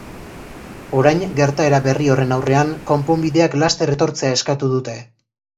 Orain, gertaera berri horren aurrean, konponbideak laster etortzea eskatu dute.